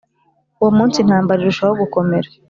Uwo munsi intambara irushaho gukomera